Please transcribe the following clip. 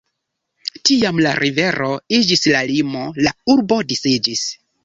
Tiam la rivero iĝis la limo, la urbo disiĝis.